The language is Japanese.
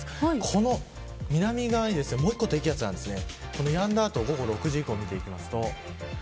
この南側にもう一つ低気圧があるんです。